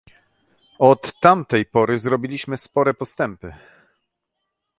Od tamtej pory zrobiliśmy spore postępy